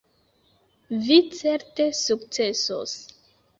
Vi certe sukcesos.